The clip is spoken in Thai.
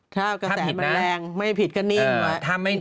ถ้าผิดนะถ้าไม่ผิดก็นิ่งไว้